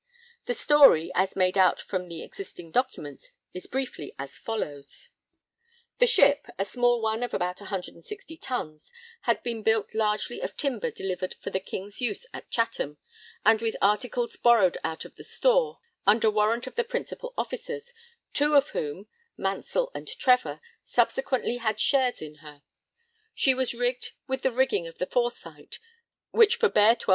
The story, as made out from the existing documents, is briefly as follows: The ship a small one of about 160 tons had been built largely of timber delivered 'for the King's use at Chatham' and with articles 'borrowed out of the store,' under warrant of the Principal Officers, two of whom, Mansell and Trevor, subsequently had shares in her. She was rigged 'with the rigging of the Foresight, which for bare 12_l.